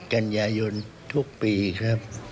กันยายนทุกปีครับ